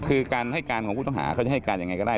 คือการให้การของผู้ต้องหาเขาจะให้การยังไงก็ได้